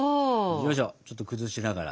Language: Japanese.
よいしょちょっと崩しながら。